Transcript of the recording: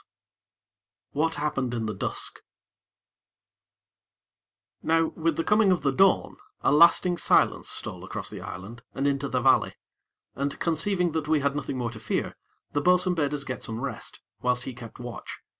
IX What Happened in the Dusk Now with the coming of the dawn, a lasting silence stole across the island and into the valley, and, conceiving that we had nothing more to fear, the bo'sun bade us get some rest, whilst he kept watch.